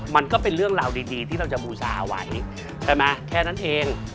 มันก็เป็นเรื่องราวดีที่เราจะบูชาไว้ใช่ไหมแค่นั้นเอง